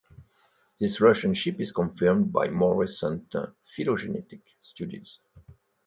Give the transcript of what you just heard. This relationship is confirmed by more recent phylogenetic studies.